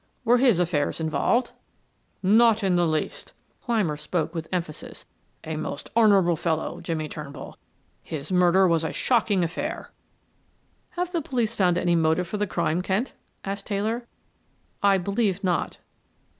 "Were his affairs involved?" "Not in the least," Clymer spoke with emphasis. "A most honorable fellow, Jimmie Turnbull; his murder was a shocking affair." "Have the police found any motive for the crime, Kent?" asked Taylor. "I believe not."